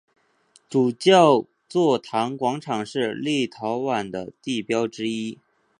主教座堂广场是立陶宛的地标之一。